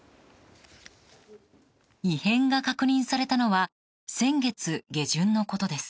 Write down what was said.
異変が確認されたのは先月下旬のことです。